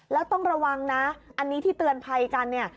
แล้วต้องระวังนะอันนี้ที่เตือนภัยกันเนี่ย